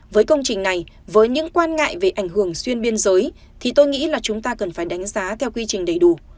với công trình này với những quan ngại về ảnh hưởng xuyên biên giới thì tôi nghĩ là chúng ta cần phải đánh giá theo quy trình đầy đủ